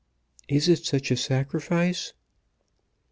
"Is it such a sacrifice?"